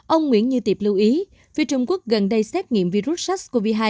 ông nguyễn như tiệp lưu ý phía trung quốc gần đây xét nghiệm virus sars cov hai